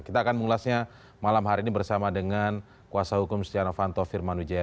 kita akan mengulasnya malam hari ini bersama dengan kuasa hukum setia novanto firman wijaya